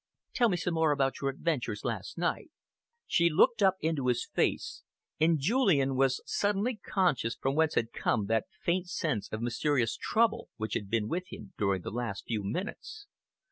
"Tell me some more about your adventures last night?" She looked up into his face, and Julian was suddenly conscious from whence had come that faint sense of mysterious trouble which had been with him during the last few minutes.